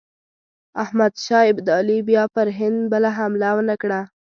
احمدشاه ابدالي بیا پر هند بله حمله ونه کړه.